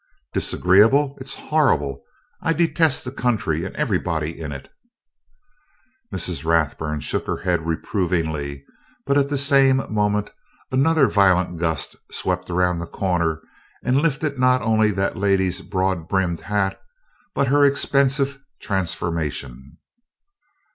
"Disagreeable? It's horrible! I detest the country and everybody in it!" Mrs. Rathburn shook her head reprovingly, but at the same moment another violent gust swept around the corner and lifted not only that lady's broad brimmed hat, but her expensive "transformation."